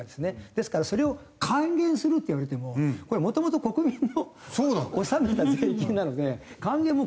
ですからそれを還元するって言われてもこれもともと国民の納めた税金なので還元もくそもないんですよ